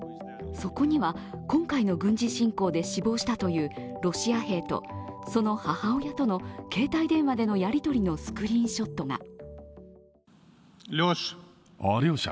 そこには、今回の軍事侵攻で死亡したというロシア兵とその母親との携帯電話でのやりとりのスクリーンショットが。